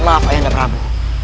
maaf ayanda prabu